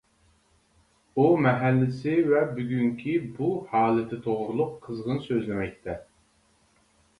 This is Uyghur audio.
ئۇ مەھەللىسى ۋە بۈگۈنكى بۇ ھالىتى توغرۇلۇق قىزغىن سۆزلىمەكتە.